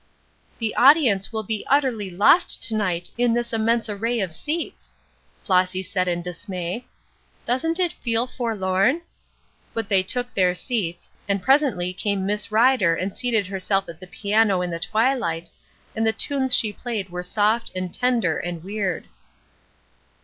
"The audience will be utterly lost to night in this immense array of seats;" Flossy said in dismay. "Doesn't it feel forlorn?" But they took their seats, and presently came Miss Ryder and seated herself at the piano in the twilight, and the tunes she played were soft and tender and weird.